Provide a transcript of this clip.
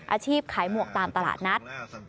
อาชีพขายหมวกตามตลาดนัด